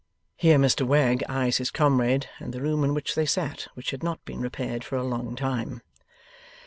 (Here Mr Wegg eyes his comrade and the room in which they sat: which had not been repaired for a long time.)